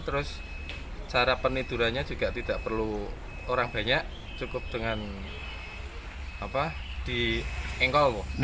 terus cara penidurannya juga tidak perlu orang banyak cukup dengan diengkol